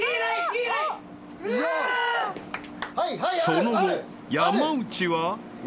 ［その後山内は］